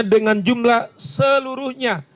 dengan jumlah seluruhnya